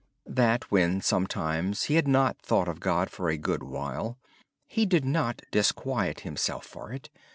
He said when sometimes he had not thought of God for a good while he did not disquiet himself for it.